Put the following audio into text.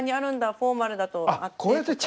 フォーマルだとあってとか。